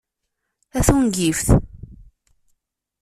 A tungift!